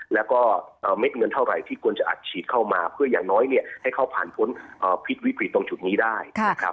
แล้วก็เม็ดเงินเท่าไหร่ที่ควรจะอัดฉีดเข้ามาเพื่ออย่างน้อยเนี่ยให้เขาผ่านพ้นพิษวิกฤตตรงจุดนี้ได้นะครับ